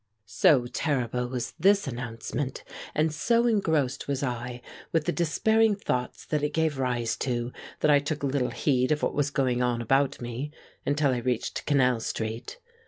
So terrible was this announcement, and so engrossed was I with the despairing thoughts that it gave rise to, that I took little heed of what was going on about me until I reached Canal Street.